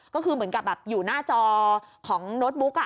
ก็คือเหมือนกับแบบอยู่หน้าจอของโน้ตบุ๊ก